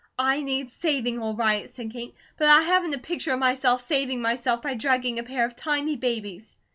"I need saving all right," said Kate, "but I haven't a picture of myself saving myself by drugging a pair of tiny babies."